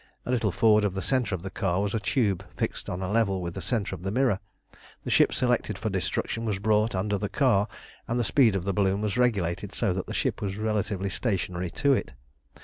A little forward of the centre of the car was a tube fixed on a level with the centre of the mirror. The ship selected for destruction was brought under the car, and the speed of the balloon was regulated so that the ship was relatively stationary to it.